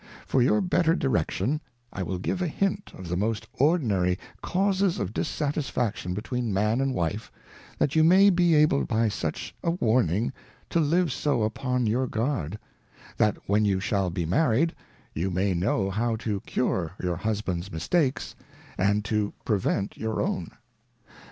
For your better direction, I will give a hint of the most ordinary Causes of Dissatisfaction between Man and Wife, that you may be able by such a Warning to live so upon your Guard, that when you shall be married, you may know how to cure your Husband's Mistakes, and to prevent your own.